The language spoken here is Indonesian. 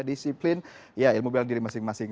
disiplin ya ilmu bela diri masing masing